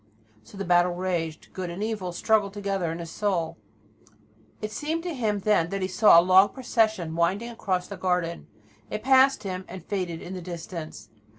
So the battle raged. Good and evil struggled together in his soul. It seemed to him then that he saw a long procession winding across the garden. It passed him and faded in the distance.